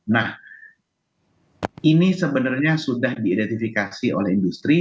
nah ini sebenarnya sudah diidentifikasi oleh industri